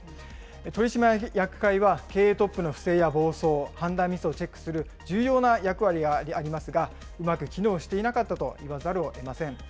取締役会は経営トップの不正や暴走、判断ミスをチェックする重要な役割がありますが、うまく機能していなかったといわざるをえません。